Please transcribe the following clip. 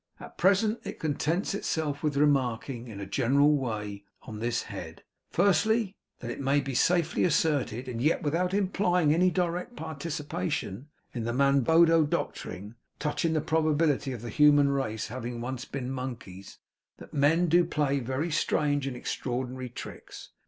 At present it contents itself with remarking, in a general way, on this head: Firstly, that it may be safely asserted, and yet without implying any direct participation in the Manboddo doctrine touching the probability of the human race having once been monkeys, that men do play very strange and extraordinary tricks.